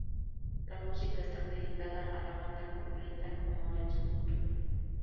La música está acreditada a la banda completa, como es su costumbre.